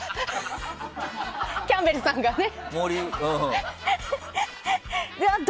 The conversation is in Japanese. キャンベルさんがね。